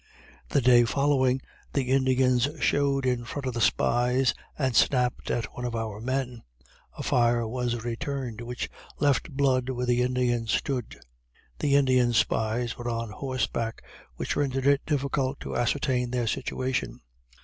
The day following the Indians showed in front of the spies, and snapped at one of our men a fire was returned, which left blood where the Indians stood. The Indian spies were on horse back, which rendered it difficult to ascertain their situation.